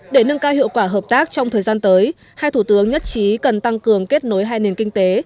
để nâng cao hiệu quả hợp tác trong thời gian tới hai thủ tướng nhất trí cần tăng cường kết nối hai nền kinh tế